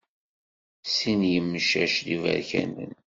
Sin n yimcac d iberkanen.